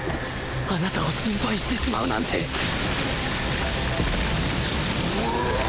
あなたを心配してしまうなんてウォ！